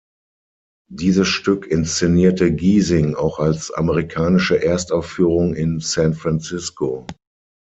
Dieses Stück inszenierte Giesing auch als amerikanische Erstaufführung in San Francisco.